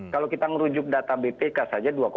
kalau kita merujuk data bpk saja